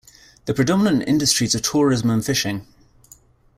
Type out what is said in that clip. The predominant industries are tourism and fishing.